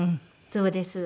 そうですね。